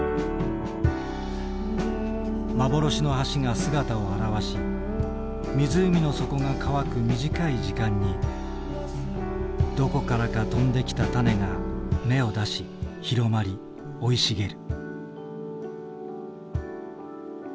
幻の橋が姿を現し湖の底が乾く短い時間にどこからか飛んできた種が芽を出し広まり生い茂る。